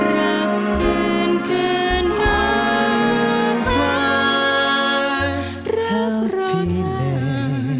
รักเชิญเกินมารักเชิญเกินมา